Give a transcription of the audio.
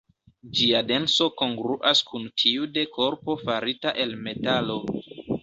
Ĝia denso kongruas kun tiu de korpo farita el metalo.